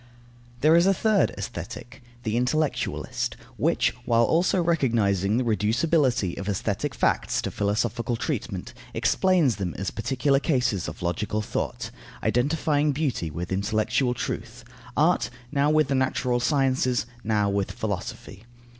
There is a third Aesthetic, the intellectualist, which, while also recognizing the reducibility of aesthetic facts to philosophical treatment, explains them as particular cases of logical thought, identifying beauty with intellectual truth; art, now with the natural sciences, now with philosophy.